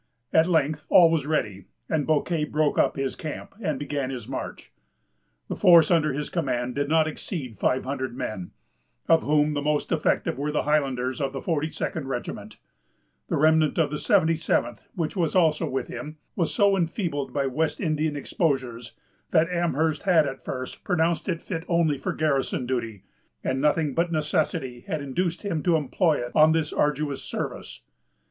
At length all was ready, and Bouquet broke up his camp, and began his march. The force under his command did not exceed five hundred men, of whom the most effective were the Highlanders of the 42d regiment. The remnant of the 77th, which was also with him, was so enfeebled by West Indian exposures, that Amherst had at first pronounced it fit only for garrison duty, and nothing but necessity had induced him to employ it on this arduous service.